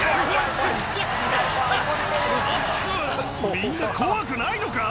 みんな怖くないのか？